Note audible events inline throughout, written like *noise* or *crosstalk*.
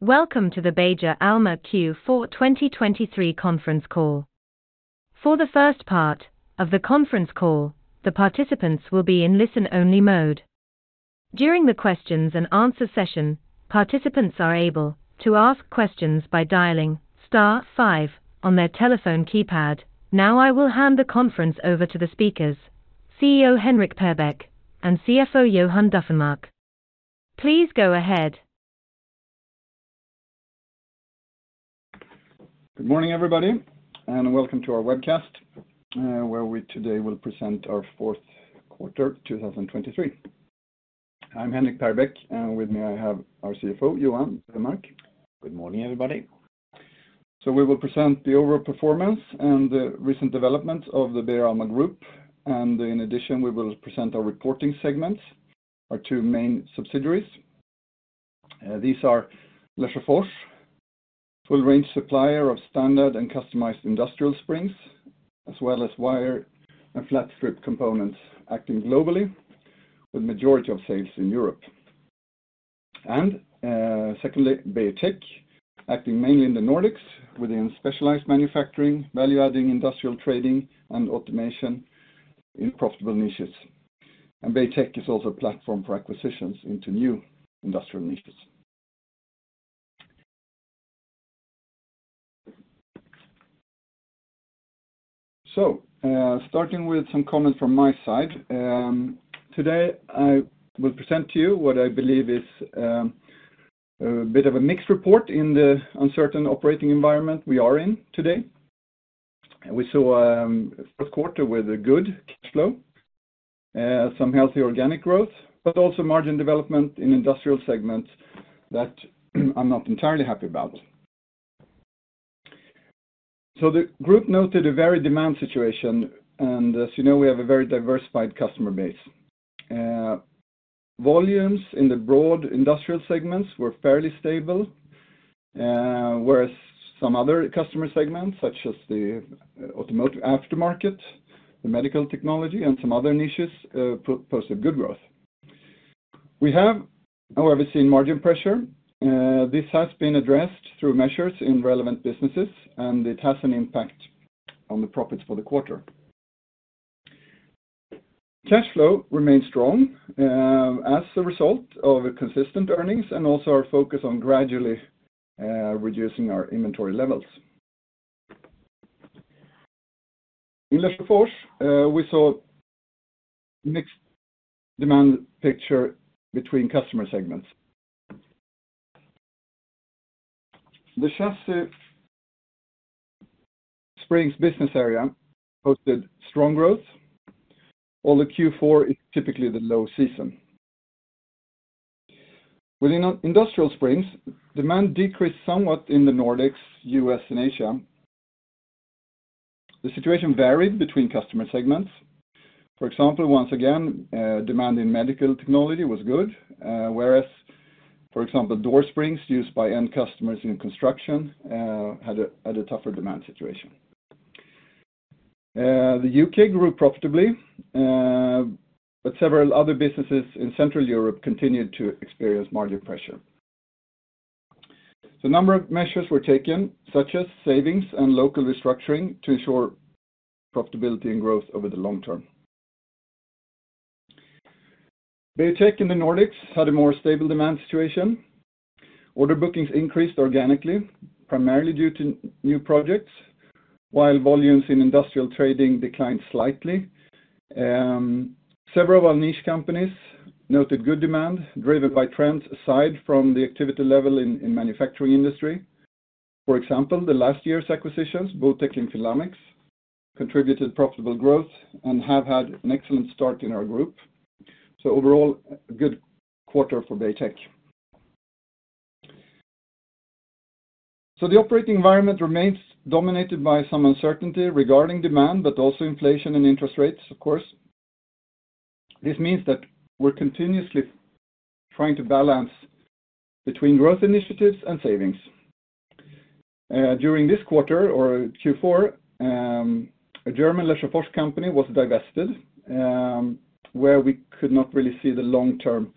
Welcome to the Beijer Alma Q4 2023 Conference Call. For the first part of the conference call, the participants will be in listen-only mode. During the questions-and-answers session, participants are able to ask questions by dialing star, five on their telephone keypad. Now I will hand the conference over to the speakers, CEO Henrik Perbeck and CFO Johan Dufvenmark. Please go ahead. Good morning, everybody, and welcome to our webcast, where we today will present our fourth quarter 2023. I'm Henrik Perbeck, and with me I have our CFO, Johan Dufvenmark. Good morning, everybody. So we will present the overall performance and the recent developments of the Beijer Alma Group, and in addition we will present our reporting segments, our two main subsidiaries. These are Lesjöfors, full-range supplier of standard and customized industrial springs, as well as wire and flat-strip components acting globally, with the majority of sales in Europe. And, secondly, Beijer Tech, acting mainly in the Nordics within specialized manufacturing, value-adding industrial trading, and automation in profitable niches. And Beijer Tech is also a platform for acquisitions into new industrial niches. So, starting with some comments from my side, today I will present to you what I believe is, a bit of a mixed report in the uncertain operating environment we are in today. We saw, first quarter with a good cash flow, some healthy organic growth, but also margin development in industrial segments that I'm not entirely happy about. So the group noted a varied demand situation, and as you know we have a very diversified customer base. Volumes in the broad industrial segments were fairly stable, whereas some other customer segments, such as the automotive aftermarket, the medical technology, and some other niches, posted a good growth. We have, however, seen margin pressure. This has been addressed through measures in relevant businesses, and it has an impact on the profits for the quarter. Cash flow remained strong, as a result of consistent earnings and also our focus on gradually reducing our inventory levels. In Lesjöfors, we saw mixed demand picture between customer segments. The chassis springs business area posted strong growth, although Q4 is typically the low season. Within industrial springs, demand decreased somewhat in the Nordics, U.S., and Asia. The situation varied between customer segments. For example, once again, demand in medical technology was good, whereas, for example, door springs used by end customers in construction had a tougher demand situation. The U.K. grew profitably, but several other businesses in Central Europe continued to experience margin pressure. So a number of measures were taken, such as savings and local restructuring, to ensure profitability and growth over the long term. Beijer Tech in the Nordics had a more stable demand situation. Order bookings increased organically, primarily due to new projects, while volumes in industrial trading declined slightly. Several of our niche companies noted good demand driven by trends aside from the activity level in manufacturing industry. For example, last year's acquisitions, Botek and Finn Lamex, contributed profitable growth and have had an excellent start in our group. So overall, a good quarter for Beijer Tech. So the operating environment remains dominated by some uncertainty regarding demand, but also inflation and interest rates, of course. This means that we're continuously trying to balance between growth initiatives and savings. During this quarter, or Q4, a German Lesjöfors company was divested, where we could not really see the long-term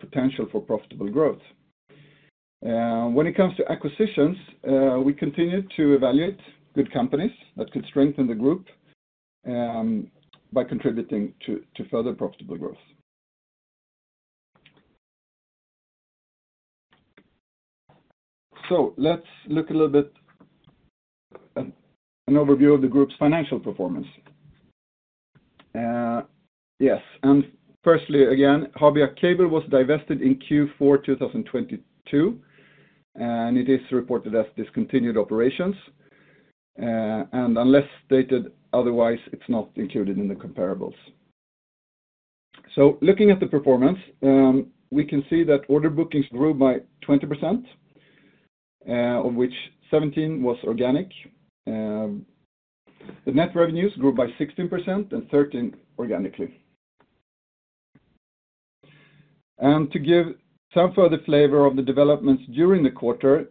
potential for profitable growth. When it comes to acquisitions, we continued to evaluate good companies that could strengthen the group, by contributing to, to further profitable growth. So let's look a little bit at an overview of the group's financial performance. Yes, and firstly, again, Habia Cable was divested in Q4 2022, and it is reported as discontinued operations, and unless stated otherwise it's not included in the comparables. So looking at the performance, we can see that order bookings grew by 20%, of which 17% was organic. The net revenues grew by 16% and 13% organically. And to give some further flavor of the developments during the quarter,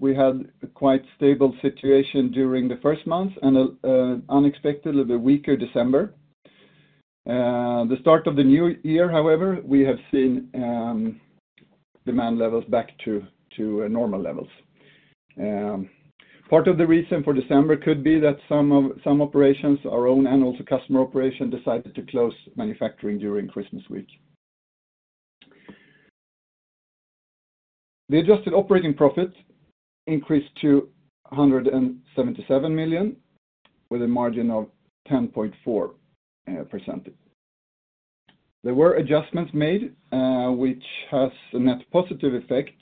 we had a quite stable situation during the first months and, unexpectedly, a weaker December. The start of the new year, however, we have seen demand levels back to normal levels. Part of the reason for December could be that some operations, our own and also customer operation, decided to close manufacturing during Christmas week. The adjusted operating profit increased to 177 million with a margin of 10.4%. There were adjustments made, which has a net positive effect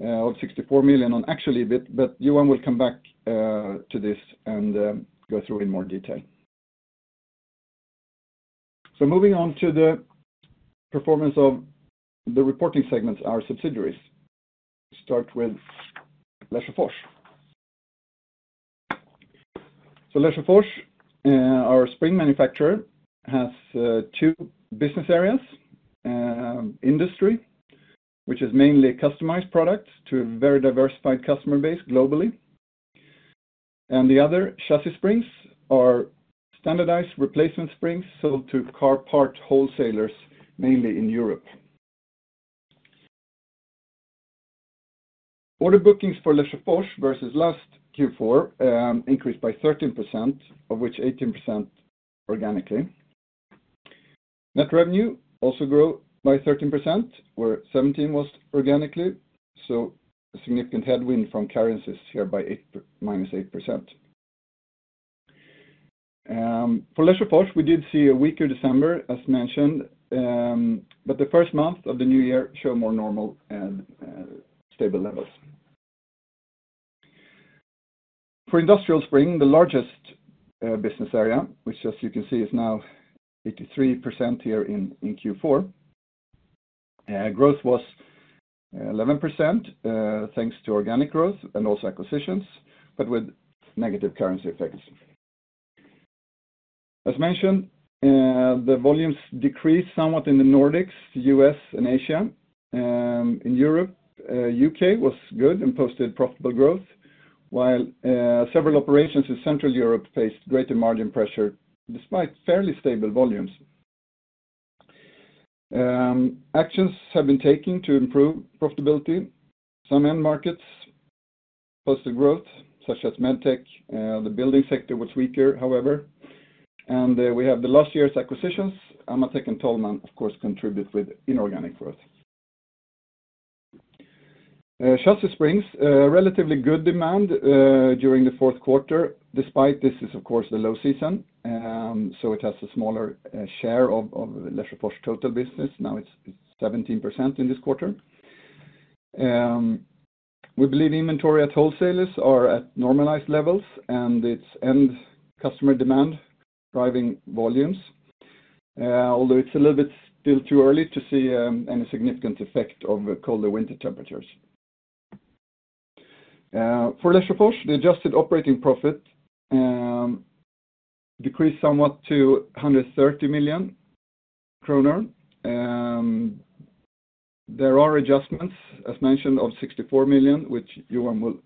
of 64 million on actually a bit, but Johan will come back to this and go through in more detail. So moving on to the performance of the reporting segments, our subsidiaries. Start with Lesjöfors. Lesjöfors, our spring manufacturer, has two business areas, Industrial Springs, which is mainly customized products to a very diversified customer base globally, and the other, Chassis Springs, are standardized replacement springs sold to car parts wholesalers, mainly in Europe. Order bookings for Lesjöfors versus last Q4 increased by 13%, of which 18% organically. Net revenue also grew by 13%, where 17% was organically, so a significant headwind from currencies here by -8%. For Lesjöfors, we did see a weaker December, as mentioned, but the first month of the new year showed more normal and stable levels. For Industrial Springs, the largest business area, which as you can see is now 83% here in Q4, growth was 11%, thanks to organic growth and also acquisitions, but with negative currency effects. As mentioned, the volumes decreased somewhat in the Nordics, U.S., and Asia. In Europe, the U.K. was good and posted profitable growth, while several operations in Central Europe faced greater margin pressure despite fairly stable volumes. Actions have been taken to improve profitability. Some end markets posted growth, such as medtech. The building sector was weaker, however, and we have the last year's acquisitions. Amatec and Tollman, of course, contribute with inorganic growth. Chassis springs, relatively good demand, during the fourth quarter. Despite this, it's, of course, the low season, so it has a smaller share of Lesjöfors total business. Now it's 17% in this quarter. We believe inventory at wholesalers are at normalized levels, and it's end customer demand driving volumes, although it's a little bit still too early to see any significant effect of colder winter temperatures. For Lesjöfors, the adjusted operating profit decreased somewhat to 130 million kronor. There are adjustments, as mentioned, of 64 million, which Johan will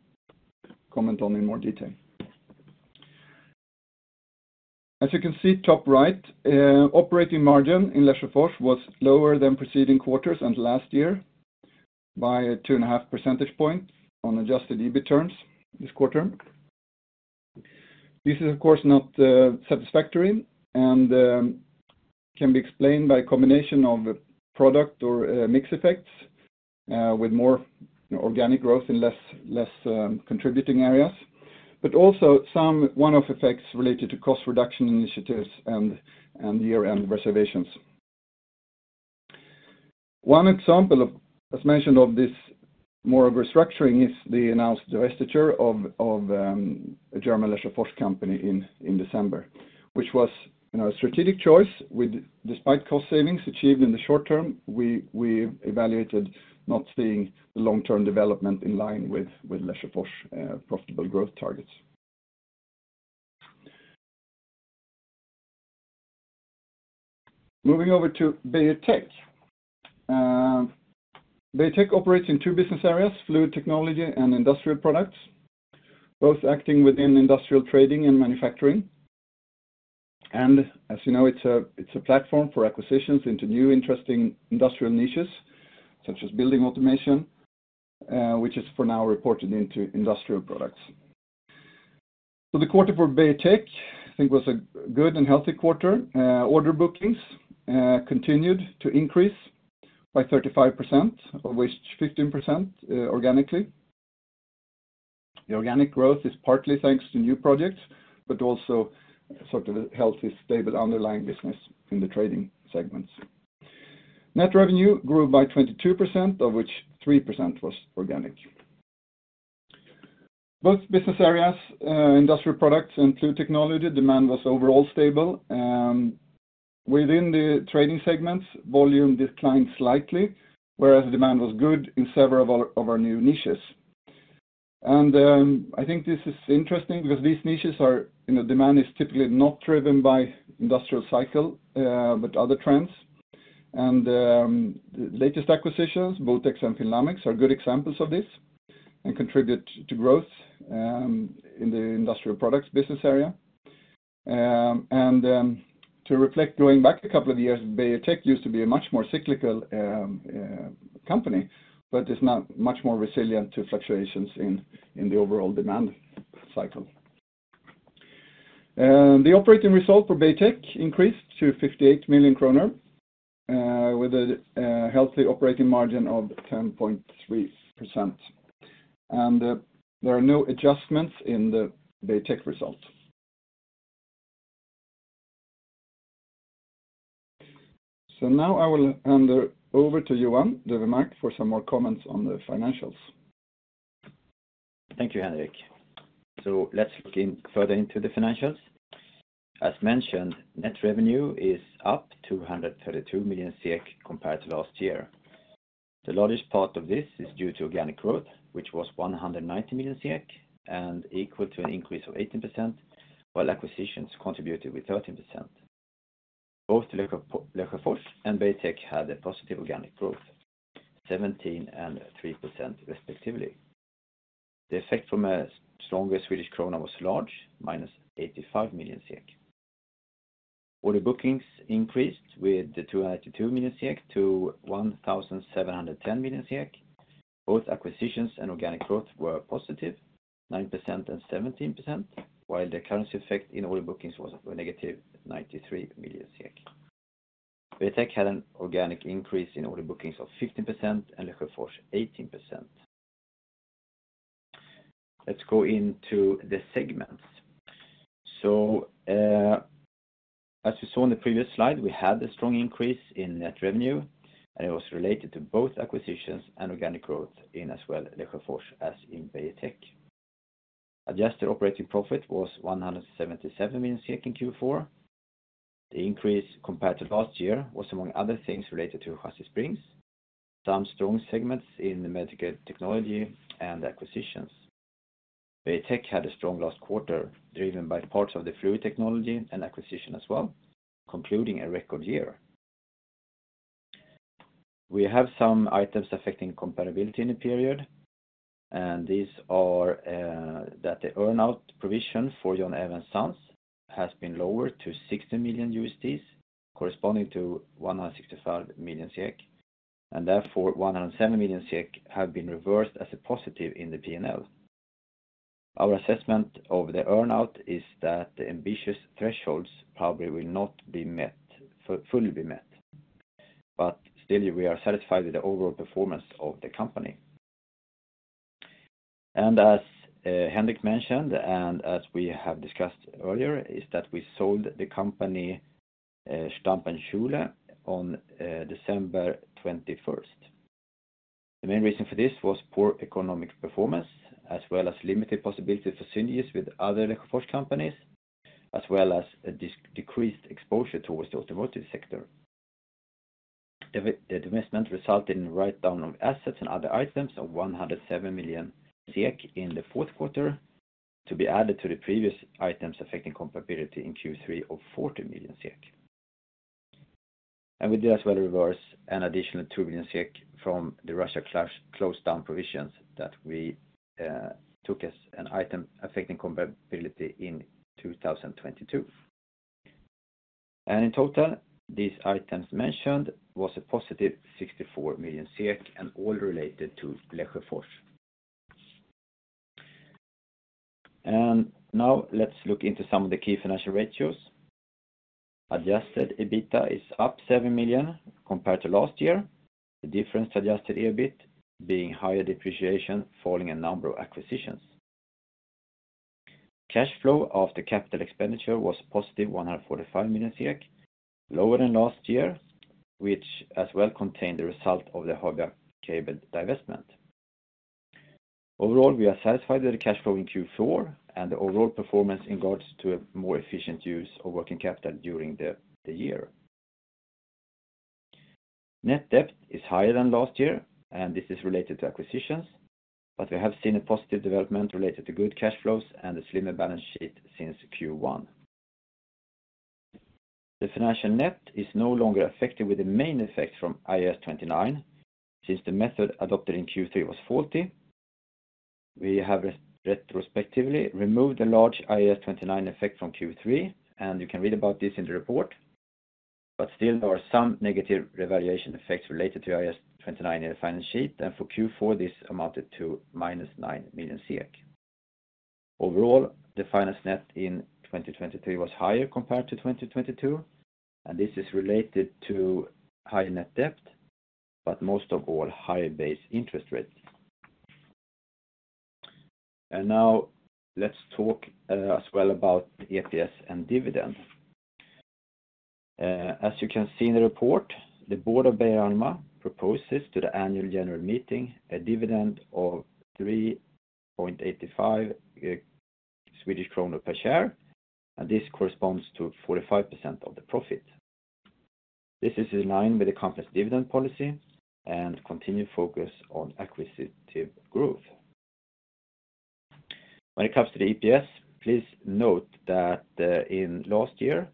comment on in more detail. As you can see top right, operating margin in Lesjöfors was lower than preceding quarters and last year by a 2.5% point on adjusted EBIT terms this quarter. This is, of course, not satisfactory and can be explained by a combination of product mix effects, with more, you know, organic growth in less contributing areas, but also some one-off effects related to cost reduction initiatives and year-end reservations. One example of, as mentioned, of this more of restructuring is the announced divestiture of a German Lesjöfors company in December, which was, you know, a strategic choice despite cost savings achieved in the short term; we evaluated not seeing the long-term development in line with Lesjöfors profitable growth targets. Moving over to Beijer Tech. Beijer Tech operates in two business areas, fluid technology and industrial products, both acting within industrial trading and manufacturing. As you know, it's a platform for acquisitions into new interesting industrial niches, such as building automation, which is for now reported into industrial products. So the quarter for Beijer Tech, I think, was a good and healthy quarter. Order bookings continued to increase by 35%, of which 15% organically. The organic growth is partly thanks to new projects, but also sort of a healthy, stable underlying business in the trading segments. Net revenue grew by 22%, of which 3% was organic. Both business areas, industrial products and fluid technology, demand was overall stable. Within the trading segments, volume declined slightly, whereas demand was good in several of our new niches. I think this is interesting because these niches are, you know, demand is typically not driven by industrial cycle, but other trends. The latest acquisitions, Botek and Finn Lamex, are good examples of this and contribute to growth in the industrial products business area. To reflect going back a couple of years, Beijer Tech used to be a much more cyclical company, but it's now much more resilient to fluctuations in the overall demand cycle. The operating result for Beijer Tech increased to 58 million kronor, with a healthy operating margin of 10.3%. There are no adjustments in the Beijer Tech result. So now I will hand over to Johan Dufvenmark for some more comments on the financials. Thank you, Henrik. So let's look further into the financials. As mentioned, net revenue is up 232 million compared to last year. The largest part of this is due to organic growth, which was 190 million and equal to an increase of 18%, while acquisitions contributed with 13%. Both Lesjöfors and Beijer Tech had a positive organic growth, 17% and 3% respectively. The effect from a stronger Swedish krona was large, -85 million. Order bookings increased with 282 million-1. 710 billion. Both acquisitions and organic growth were positive, 9% and 17%, while the currency effect in order bookings was negative 93 million. Beijer Tech had an organic increase in order bookings of 15% and Lesjöfors 18%. Let's go into the segments. As we saw in the previous slide, we had a strong increase in net revenue, and it was related to both acquisitions and organic growth in as well Lesjöfors as in Beijer Tech. Adjusted operating profit was 177 million in Q4. The increase compared to last year was, among other things, related to chassis springs, some strong segments in medical technology, and acquisitions. Beijer Tech had a strong last quarter driven by parts of the fluid technology and acquisition as well, concluding a record year. We have some items affecting comparability in the period, and these are, that the earnout provision for John Alvarsson's has been lowered to $60 million, corresponding to 165 million SEK, and therefore 107 million SEK have been reversed as a positive in the P&L. Our assessment of the earnout is that the ambitious thresholds probably will not be met, fully be met, but still we are satisfied with the overall performance of the company. And as, Henrik mentioned, and as we have discussed earlier, is that we sold the company, Stumpp + Schüle on, December 21st. The main reason for this was poor economic performance, as well as limited possibility for synergies with other Lesjöfors companies, as well as a decreased exposure towards the automotive sector. The investment resulted in a write-down of assets and other items of 107 million in the fourth quarter, to be added to the previous items affecting [comparability interest rate] of 40 million SEK. We did as well reverse an additional 2 million SEK from the Russia close-down provisions that we took as an item affecting comparability in 2022. In total, these items mentioned were a positive 64 million SEK and all related to Lesjöfors. Now let's look into some of the key financial ratios. Adjusted EBITDA is up 7 million compared to last year, the difference to adjusted EBIT being higher depreciation following a number of acquisitions. Cash flow after capital expenditure was positive 145 million, lower than last year, which as well contained the result of the Habia Cable divestment. Overall, we are satisfied with the cash flow in Q4 and the overall performance in regards to a more efficient use of working capital during the year. Net debt is higher than last year, and this is related to acquisitions, but we have seen a positive development related to good cash flows and a slimmer balance sheet since Q1. The financial net is no longer affected with the main effect from IAS 29 since the method adopted in Q3 was faulty. We have retrospectively removed a large IAS 29 effect from Q3, and you can read about this in the report, but still there are some negative revaluation effects related to IAS 29 in the balance sheet, and for Q4 this amounted to -9 million. Overall, the finance net in 2023 was higher compared to 2022, and this is related to higher net debt, but most of all higher base interest rate. And now let's talk, as well about EPS and dividend. As you can see in the report, the Board of Beijer Alma proposes to the annual general meeting a dividend of 3.85 Swedish kronor per share, and this corresponds to 45% of the profit. This is in line with the company's dividend policy and continued focus on acquisitive growth. When it comes to the EPS, please note that in last year,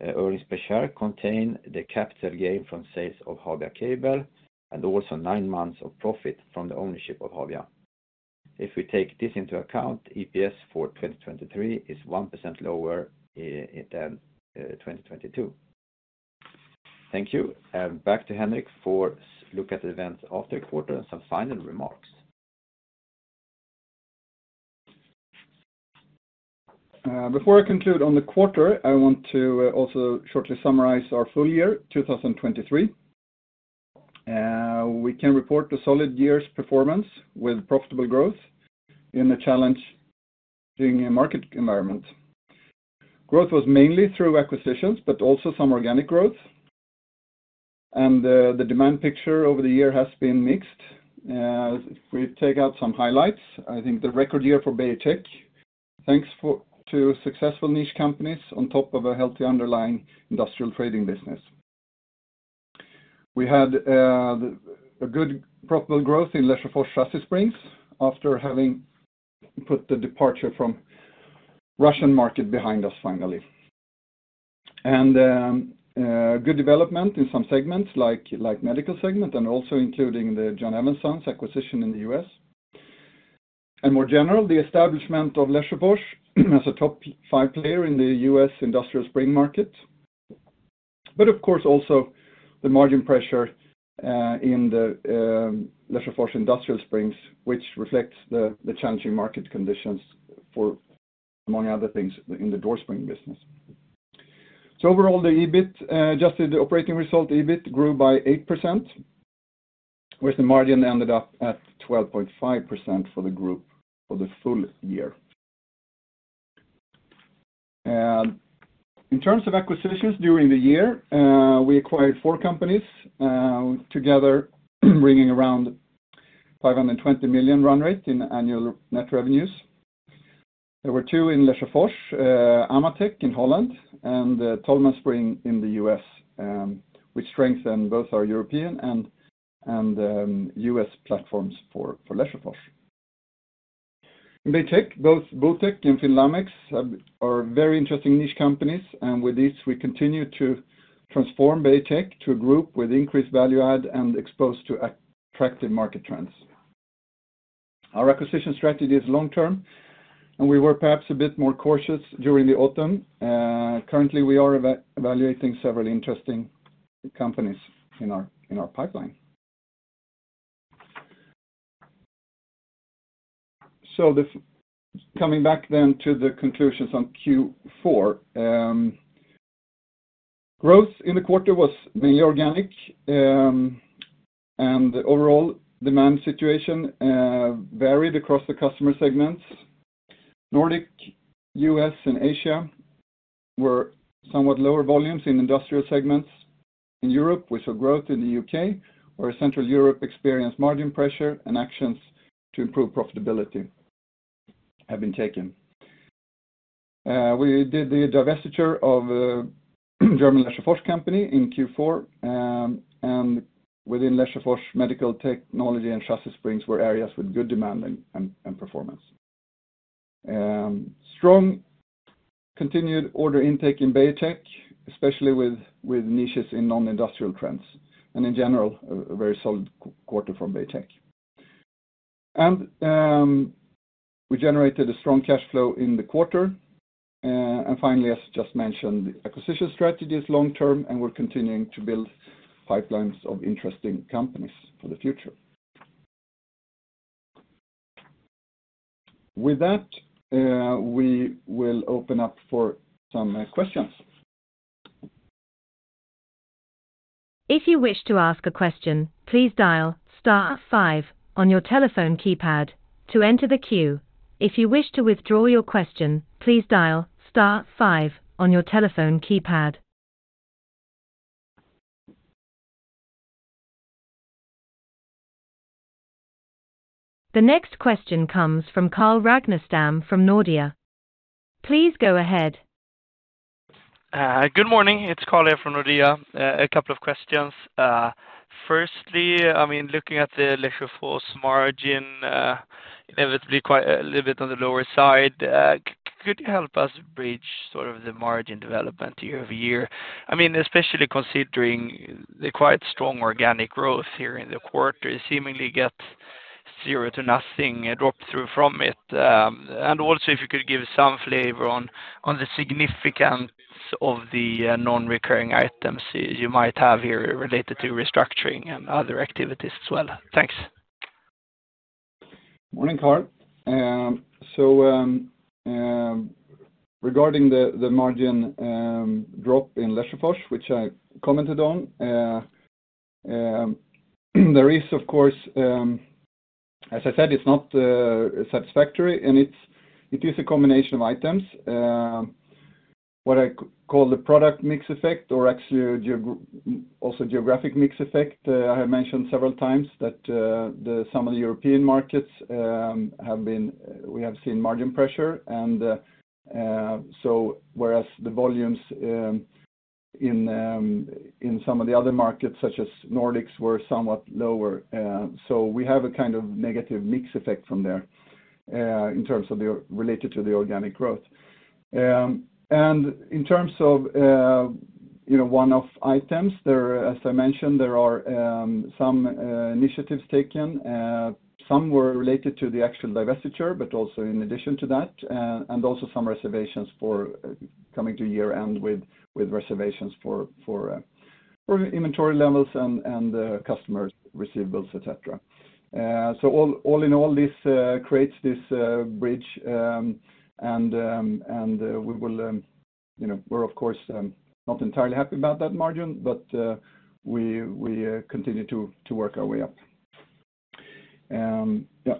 earnings per share contained the capital gain from sales of Habia Cable and also nine months of profit from the ownership of Habia. If we take this into account, EPS for 2023 is 1% lower than 2022. Thank you, and back to Henrik for looking at the events after the quarter and some final remarks. Before I conclude on the quarter, I want to also shortly summarize our full year 2023. We can report a solid year's performance with profitable growth in the challenging market environment. Growth was mainly through acquisitions, but also some organic growth. And the demand picture over the year has been mixed. If we take out some highlights, I think the record year for Beijer Tech, thanks to successful niche companies on top of a healthy underlying industrial trading business. We had a good profitable growth in Lesjöfors chassis springs after having put the departure from Russian market behind us finally. Good development in some segments like, like medical segment and also including the John Alvarsson's acquisition in the U.S. And more general, the establishment of Lesjöfors as a top five player in the U.S. industrial spring market. But of course, also the margin pressure in the Lesjöfors industrial springs, which reflects the challenging market conditions for, among other things, in the door spring business. So overall, the EBIT, adjusted operating result EBIT grew by 8%, whereas the margin ended up at 12.5% for the group for the full year. In terms of acquisitions during the year, we acquired four companies, together bringing around 520 million run rate in annual net revenues. There were two in Lesjöfors, Amatec in Holland, and Tollman Spring in the U.S., which strengthened both our European and US platforms for Lesjöfors. In Beijer Tech, both Botek and Finn Lamex are very interesting niche companies, and with these we continue to transform Beijer Tech to a group with increased value add and exposed to attractive market trends. Our acquisition strategy is long-term, and we were perhaps a bit more cautious during the autumn. Currently, we are evaluating several interesting companies in our pipeline. So, coming back then to the conclusions on Q4, growth in the quarter was mainly organic, and the overall demand situation varied across the customer segments. Nordic, US, and Asia were somewhat lower volumes in industrial segments. In Europe, we saw growth in the U.K., where Central Europe experienced margin pressure and actions to improve profitability have been taken. We did the divestiture of German Lesjöfors company in Q4, and within Lesjöfors medical technology and chassis springs were areas with good demand and performance. Strong continued order intake in Beijer Tech, especially with niches in non-industrial trends, and in general, a very solid quarter from Beijer Tech. We generated a strong cash flow in the quarter. Finally, as just mentioned, the acquisition strategy is long-term and we're continuing to build pipelines of interesting companies for the future. With that, we will open up for some questions. If you wish to ask a question, please dial star five on your telephone keypad to enter the queue. If you wish to withdraw your question, please dial star five on your telephone keypad. The next question comes from Carl Ragnerstam from Nordea. Please go ahead. Good morning. It's Carl here from Nordea. A couple of questions. Firstly, I mean, looking at the Lesjöfors margin, inevitably quite a little bit on the lower side. Could you help us bridge sort of the margin development year-over-year? I mean, especially considering the quite strong organic growth here in the quarter, it seemingly gets zero to nothing, a drop through from it. And also if you could give some flavor on the significance of the non-recurring items you might have here related to restructuring and other activities as well. Thanks. Morning, Carl. So, regarding the margin drop in Lesjöfors, which I commented on, there is, of course, as I said, it's not satisfactory, and it is a combination of items. What I call the product mix effect or actually also geographic mix effect, I have mentioned several times that some of the European markets, we have seen margin pressure, and so whereas the volumes in some of the other markets such as Nordics were somewhat lower. So we have a kind of negative mix effect from there, in terms of that related to the organic growth. And in terms of, you know, one of the items, there as I mentioned, there are some initiatives taken. Some were related to the actual divestiture, but also in addition to that, and also some reservations for coming to year-end with reservations for inventory levels and customer receivables, etc. So all in all, this creates this bridge, and we will, you know, we're of course not entirely happy about that margin, but we continue to work our way up. Yeah.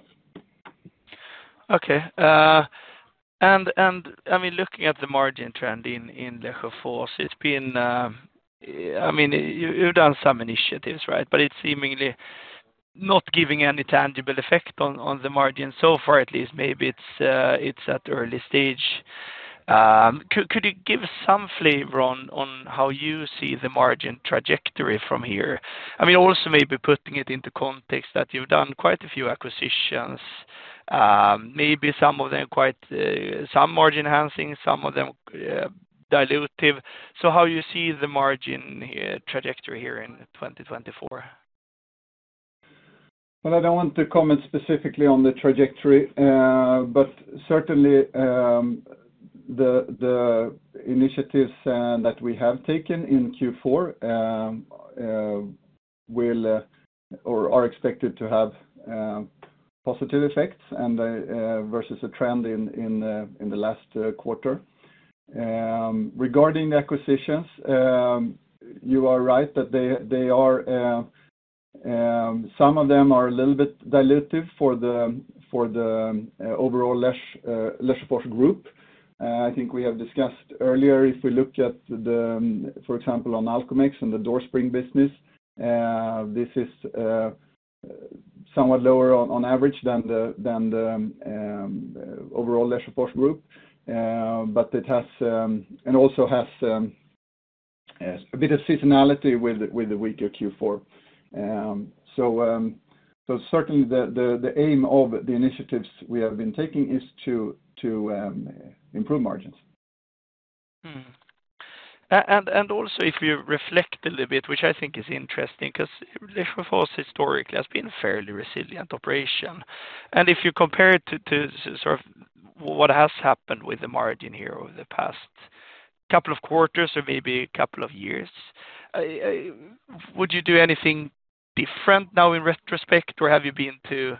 Okay. And I mean, looking at the margin trend in Lesjöfors, it's been. I mean, you've done some initiatives, right? But it's seemingly not giving any tangible effect on the margin so far at least. Maybe it's at early stage. Could you give some flavor on how you see the margin trajectory from here? I mean, also maybe putting it into context that you've done quite a few acquisitions, maybe some of them quite some margin enhancing, some of them dilutive. So how you see the margin trajectory here in 2024? Well, I don't want to comment specifically on the trajectory, but certainly, the initiatives that we have taken in Q4 will, or are expected to have, positive effects versus a trend in the last quarter. Regarding the acquisitions, you are right that they are, some of them are a little bit dilutive for the overall Lesjöfors group. I think we have discussed earlier if we look at the, for example, on Alcomex and the door spring business, this is somewhat lower on average than the overall Lesjöfors group. But it has, and also has, a bit of seasonality with the weaker Q4. So certainly the aim of the initiatives we have been taking is to improve margins. And also if you reflect a little bit, which I think is interesting, because Lesjöfors historically has been a fairly resilient operation. If you compare it to sort of what has happened with the margin here over the past couple of quarters or maybe a couple of years, would you do anything different now in retrospect or have you been too,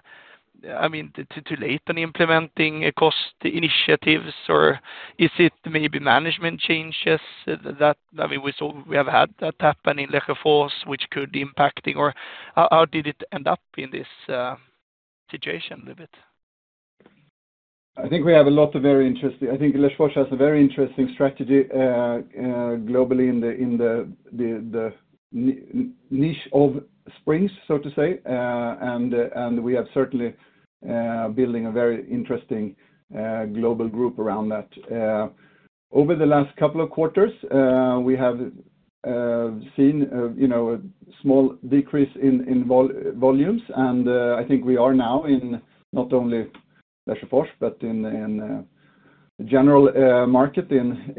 I mean, too late on implementing cost initiatives or is it maybe management changes that, I mean, we saw we have had that happen in Lesjöfors, which could be impacting or how did it end up in this situation a little bit? I think we have a lot of very interesting. I think Lesjöfors has a very interesting strategy, globally in the niche of springs, so to say. And we have certainly building a very interesting global group around that. Over the last couple of quarters, we have seen, you know, a small decrease in volumes. And I think we are now in not only Lesjöfors, but in the general market in,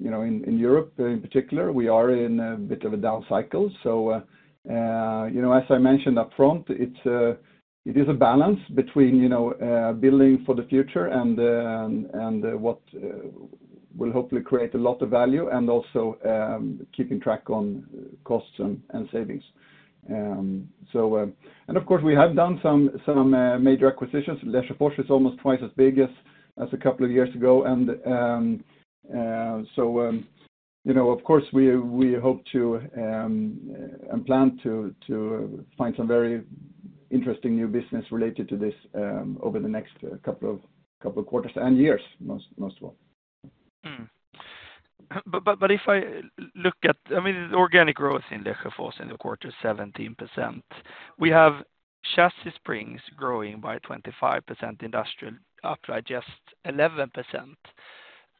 you know, in Europe in particular, we are in a bit of a down cycle. So, you know, as I mentioned upfront, it is a balance between, you know, building for the future and what will hopefully create a lot of value and also keeping track on costs and savings. So, and of course, we have done some major acquisitions. Lesjöfors is almost twice as big as a couple of years ago. And so, you know, of course, we hope to and plan to find some very interesting new business related to this, over the next couple of quarters and years, most of all. But if I look at, I mean, the organic growth in Lesjöfors in the quarter, 17%. We have chassis springs growing by 25%, industrial springs just 11%.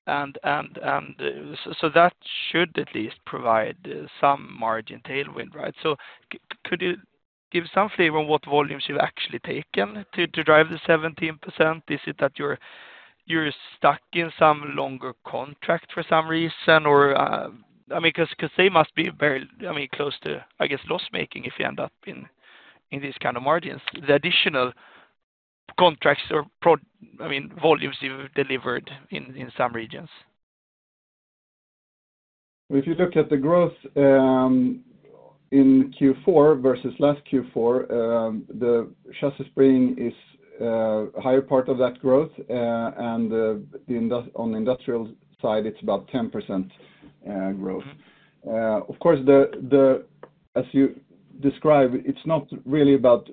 And so that should at least provide some margin tailwind, right? So could you give some flavor on what volumes you've actually taken to drive the 17%? Is it that you're stuck in some longer contract for some reason or, I mean, because they must be very, I mean, close to, I guess, loss making if you end up in these kind of margins, the additional contracts or, I mean, volumes you've delivered in some regions. Well, if you look at the growth, in Q4 versus last Q4, the chassis spring is a higher part of that growth. And on the industrial side, it's about 10% growth. Of course, as you describe, it's not really about,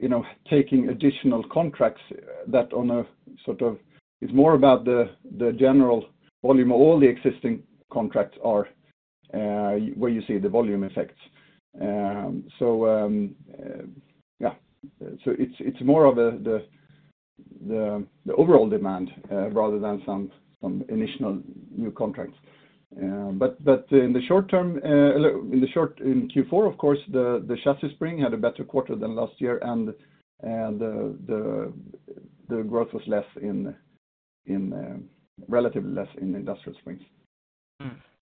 you know, taking additional contracts that on a sort of it's more about the general volume or all the existing contracts are, where you see the volume effects. So, yeah. So it's more of a overall demand, rather than some initial new contracts. But in the short term, in the short in Q4, of course, the Chassis Springs had a better quarter than last year and the growth was less in, relatively less in the Industrial Springs.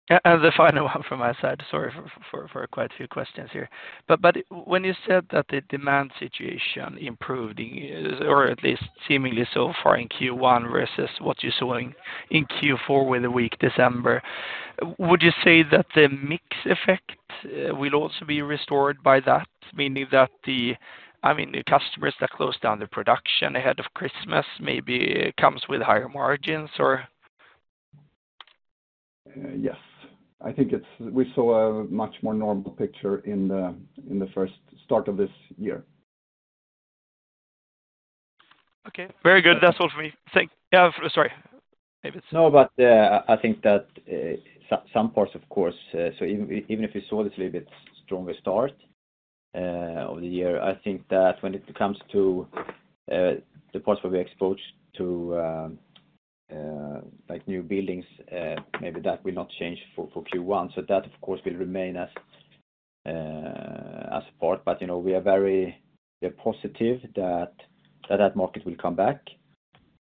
And the final one from my side. Sorry for quite a few questions here. But, but when you said that the demand situation improved in—or at least seemingly so far—in Q1 versus what you're seeing in Q4 with the weak December, would you say that the mix effect will also be restored by that, meaning that the, I mean, the customers that closed down the production ahead of Christmas maybe comes with higher margins or? Yes. I think it's we saw a much more normal picture in the first start of this year. Okay. Very good. That's all for me. Thank you. Sorry. Maybe it's. No, but I think that some parts, of course, so even if we saw this a little bit stronger start of the year, I think that when it comes to the parts where we're exposed to, like new buildings, maybe that will not change for Q1. So that, of course, will remain as a part. But, you know, we are very positive that that market will come back.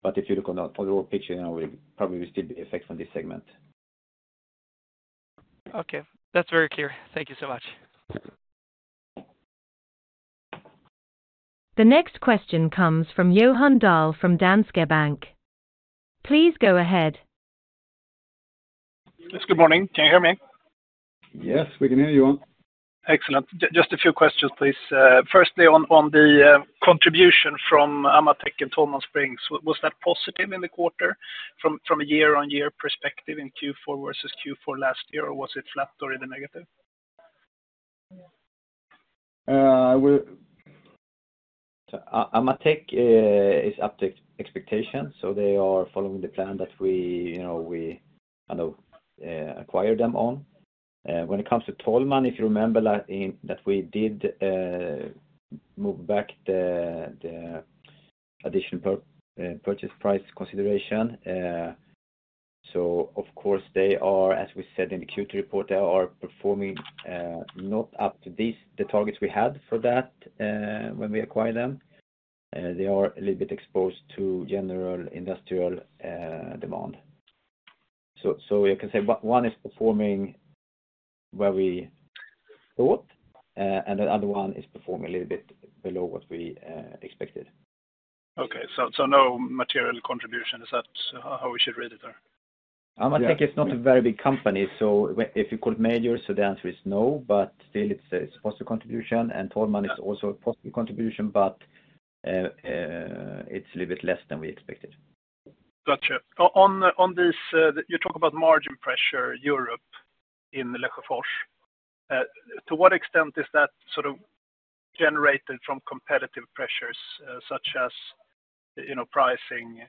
But if you look on the overall picture, you know, we probably will still be affected from this segment. Okay. That's very clear. Thank you so much. The next question comes from Johan Dahl from Danske Bank. Please go ahead. Yes. Good morning. Can you hear me? Yes, we can hear you, Johan. Excellent. Just a few questions, please. Firstly, on the contribution from Amatec and Tollman Spring, was that positive in the quarter from a year-on-year perspective in Q4 versus Q4 last year or was it flat or in the negative? For Amatec is up to expectation, so they are following the plan that we, you know, we kind of acquired them on. When it comes to Tollman, if you remember that we did move back the additional purchase price consideration. So of course, they are, as we said in the Q2 report, they are performing, not up to the targets we had for that, when we acquired them. They are a little bit exposed to general industrial demand. So you can say one is performing where we thought, and the other one is performing a little bit below what we expected. Okay. So no material contribution. Is that how we should read it or? Amatec is not a very big company, so if you call it major, so the answer is no, but still it's a positive contribution. And Tollman is also a positive contribution, but it's a little bit less than we expected. Gotcha. On these, you talk about margin pressure in Europe in Lesjöfors. To what extent is that sort of generated from competitive pressures such as, you know, pricing,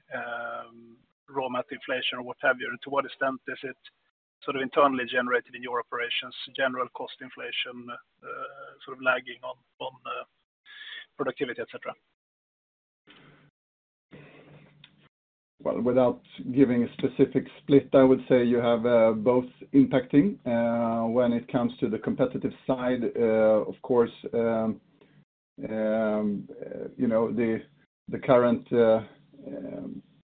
raw material inflation or what have you? And to what extent is it sort of internally generated in your operations, general cost inflation, sort of lagging on productivity, etc.? Well, without giving a specific split, I would say you have both impacting. When it comes to the competitive side, of course, you know, the current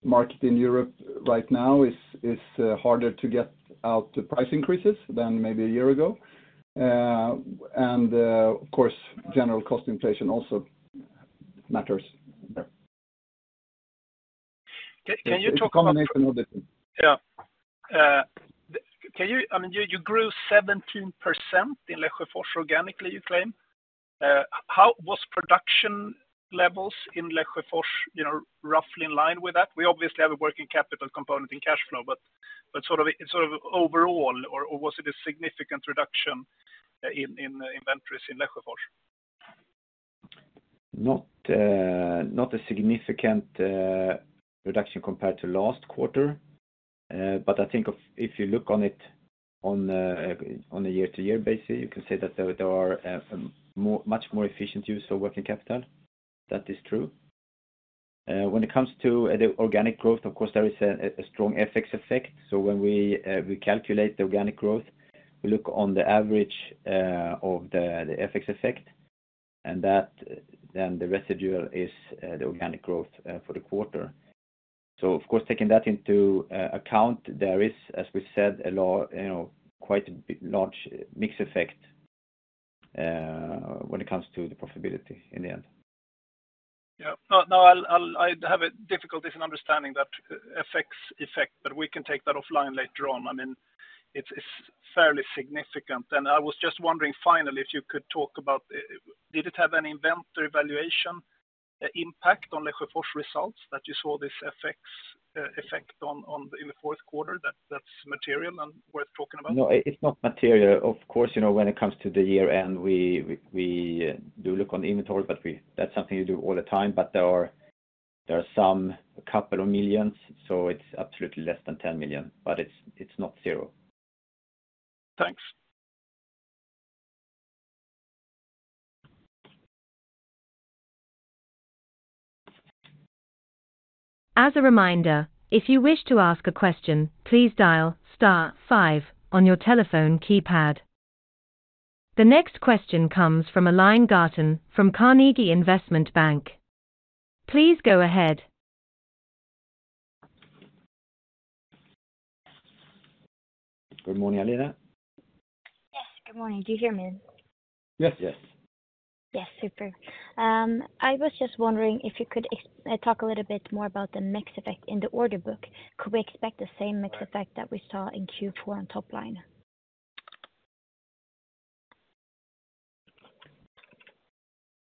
market in Europe right now is harder to get out to price increases than maybe a year ago. And, of course, general cost inflation also matters there. *crosstalk* Yeah. Can you I mean, you grew 17% in Lesjöfors organically, you claim. How was production levels in Lesjöfors, you know, roughly in line with that? We obviously have a working capital component in cash flow, but sort of overall, or was it a significant reduction in inventories in Lesjöfors? Not a significant reduction compared to last quarter. But I think if you look at it on a year-to-year basis, you can say that there is a much more efficient use of working capital. That is true. When it comes to the organic growth, of course, there is a strong FX effect. So when we calculate the organic growth, we look at the average of the FX effect. And then the residual is the organic growth for the quarter. So of course, taking that into account, there is, as we said, a low, you know, quite a large mix effect, when it comes to the profitability in the end. Yeah. No, I'll, I have difficulty in understanding that FX effect, but we can take that offline later on. I mean, it's fairly significant. And I was just wondering finally if you could talk about, did it have any inventory valuation impact on Lesjöfors results that you saw, this FX effect on the in the fourth quarter, that's material and worth talking about? No, it's not material. Of course, you know, when it comes to the year-end, we do look on inventory, but that's something you do all the time. But there are some, a couple of million SEK, so it's absolutely less than 10 million. But it's not zero. Thanks. As a reminder, if you wish to ask a question, please dial star five on your telephone keypad. The next question comes from Aline Garten from Carnegie Investment Bank. Please go ahead. Good morning, Aline. Yes, good morning. Do you hear me? Yes, yes. Yes, super. I was just wondering if you could talk a little bit more about the mix effect in the order book. Could we expect the same mix effect that we saw in Q4 on topline?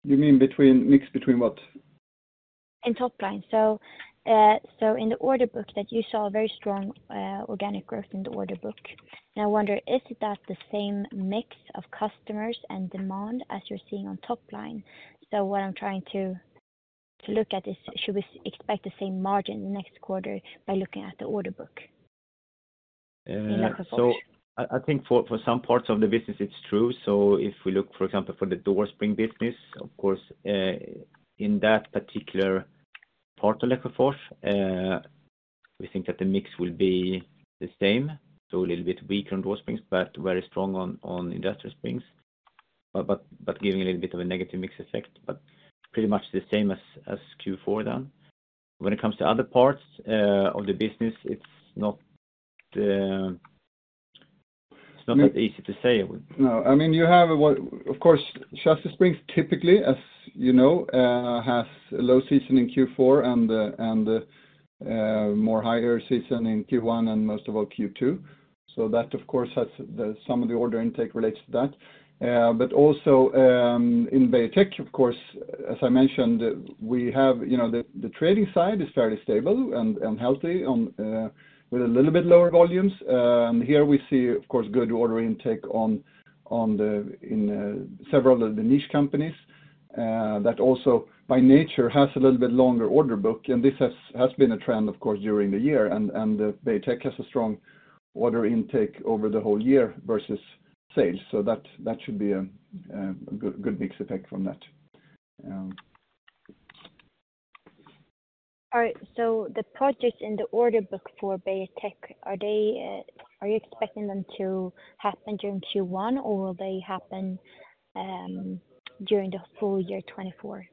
You mean between mix between what? In topline. So, so in the order book that you saw a very strong, organic growth in the order book. And I wonder, is it that the same mix of customers and demand as you're seeing on topline? So what I'm trying to to look at is should we expect the same margin the next quarter by looking at the order book in Lesjöfors? So I think for some parts of the business, it's true. So if we look, for example, for the door spring business, of course, in that particular part of Lesjöfors, we think that the mix will be the same. So a little bit weaker on door springs, but very strong on industrial springs. But giving a little bit of a negative mix effect, but pretty much the same as Q4 then. When it comes to other parts of the business, it's not that easy to say. No, I mean, of course, chassis springs typically, as you know, has a low season in Q4 and more higher season in Q1 and most of all Q2. So that, of course, has some of the order intake relates to that. but also, in Beijer Tech, of course, as I mentioned, we have, you know, the trading side is fairly stable and healthy, with a little bit lower volumes. And here we see, of course, good order intake in several of the niche companies, that also by nature has a little bit longer order book. And this has been a trend, of course, during the year. And Beijer Tech has a strong order intake over the whole year versus sales. So that should be a good mix effect from that. All right. So the projects in the order book for Beijer Tech, are you expecting them to happen during Q1 or will they happen during the full year 2024?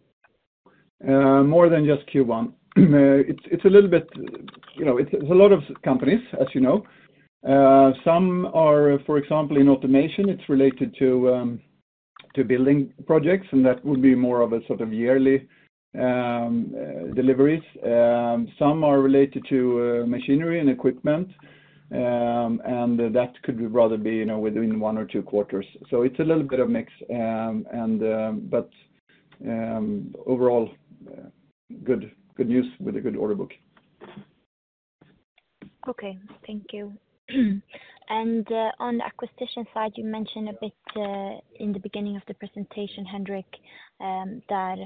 More than just Q1. It's a little bit, you know, it's a lot of companies, as you know. Some are, for example, in automation. It's related to building projects, and that would be more of a sort of yearly deliveries. Some are related to machinery and equipment. And that could rather be, you know, within one or two quarters. So it's a little bit of mix. And but overall, good good news with a good order book. Okay. Thank you. And on the acquisition side, you mentioned a bit in the beginning of the presentation, Henrik, that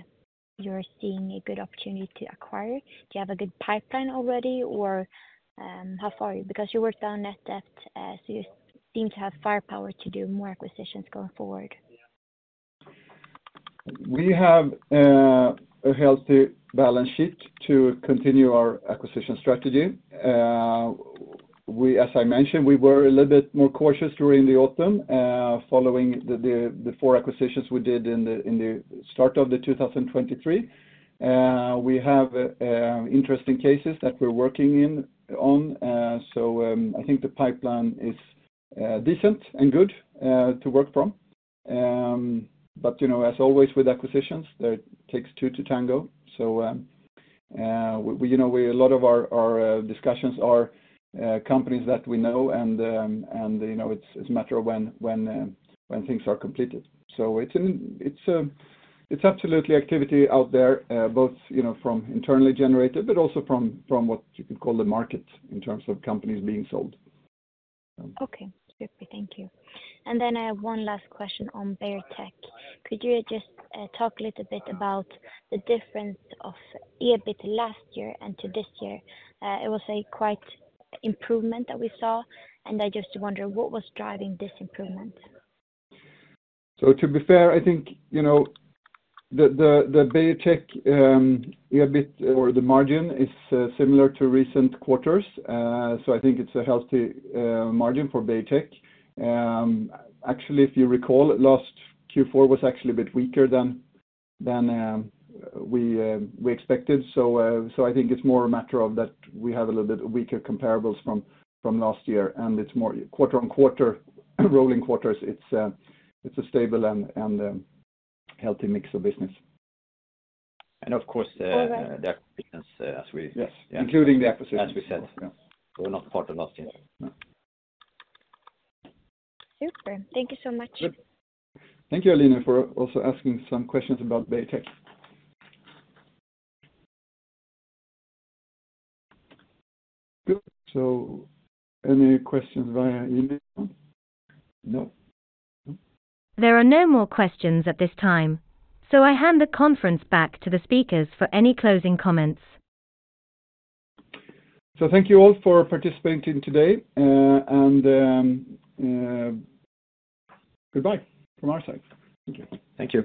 you're seeing a good opportunity to acquire. Do you have a good pipeline already or how far are you? Because you worked on net debt, so you seem to have firepower to do more acquisitions going forward. We have a healthy balance sheet to continue our acquisition strategy. We, as I mentioned, were a little bit more cautious during the autumn, following the four acquisitions we did in the start of 2023. We have interesting cases that we're working on. So, I think the pipeline is decent and good to work from. But, you know, as always with acquisitions, there takes two to tango. So, we, you know, a lot of our discussions are companies that we know and, you know, it's a matter of when things are completed. So it's absolute activity out there, both, you know, from internally generated, but also from what you could call the market in terms of companies being sold. Okay. Super. Thank you. And then I have one last question on Beijer Tech. Could you just talk a little bit about the difference of EBIT last year and to this year? It was a quite improvement that we saw. And I just wonder, what was driving this improvement? So to be fair, I think, you know, the Beijer Tech, EBIT or the margin is similar to recent quarters. So I think it's a healthy, margin for Beijer Tech. Actually, if you recall, last Q4 was actually a bit weaker than we expected. So, so I think it's more a matter of that we have a little bit weaker comparables from last year. And it's more quarter on quarter, rolling quarters, it's, it's a stable and healthy mix of business. And of course, the acquisitions, as we. Yes. Yeah. Including the acquisitions. As we said. Yeah. They were not part of last year. No. Super. Thank you so much. Thank you, Alina, for also asking some questions about Beijer Tech. Good. So any questions via email? No? No. There are no more questions at this time, so I hand the conference back to the speakers for any closing comments. So thank you all for participating today, and goodbye from our side. Thank you. Thank you.